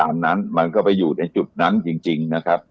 อันนั้นมันก็ไปอยู่ในจุดนั้นจริงนะครับ